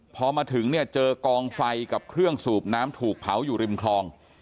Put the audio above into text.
พอมาถึงเนี่ยเจอกองไฟกับเครื่องสูบน้ำถูกเผาอยู่ริมคลอง